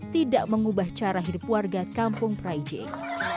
tidak mengubah cara hidup warga kampung praijing